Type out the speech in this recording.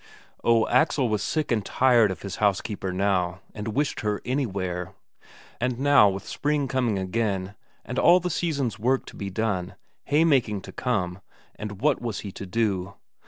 Oh, Axel was sick and tired of his housekeeper now, and wished her anywhere. And now with spring coming again, and all the season's work to do alone; haymaking to come, and what was he to do?